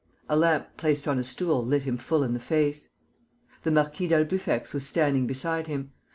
A lamp placed on a stool lit him full in the face. The Marquis d'Albufex was standing beside him.